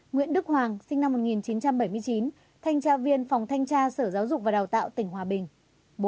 nguyễn đức hoàng sinh năm một nghìn chín trăm bảy mươi chín thanh tra viên phòng thanh tra sở giáo dục và đào tạo tỉnh hòa bình